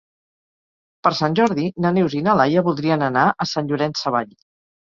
Per Sant Jordi na Neus i na Laia voldrien anar a Sant Llorenç Savall.